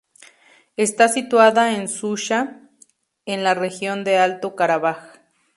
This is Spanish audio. Está situada en Shusha, en la región de Alto Karabaj.